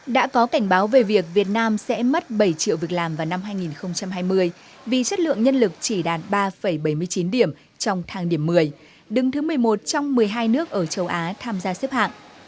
đã có cảnh báo về việc việt nam sẽ mất bảy triệu việc làm vào năm hai nghìn hai mươi vì chất lượng nhân lực chỉ đạt ba bảy mươi chín điểm trong thang điểm một mươi đứng thứ một mươi một trong một mươi hai nước ở châu á tham gia xếp hạng